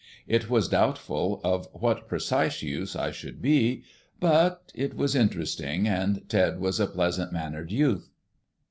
It was doubtful of what precise use I should be, but it was interesting, and Ted was a pleasant mannered youth.